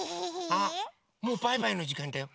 あっもうバイバイのじかんだよ！